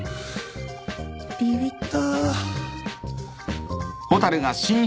ビビった。